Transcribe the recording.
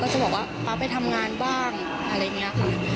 จะบอกว่าป๊าไปทำงานบ้างอะไรอย่างนี้ค่ะ